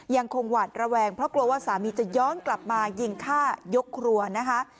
หวาดระแวงเพราะกลัวว่าสามีจะย้อนกลับมายิงฆ่ายกครัวนะคะ